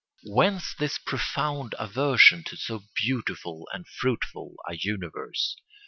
Whence this profound aversion to so beautiful and fruitful a universe?